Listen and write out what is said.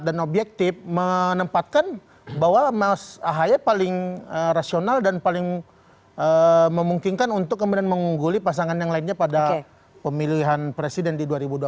dan objektif menempatkan bahwa ahi paling rasional dan paling memungkinkan untuk kemudian mengungguli pasangan yang lainnya pada pemilihan presiden di dua ribu dua puluh empat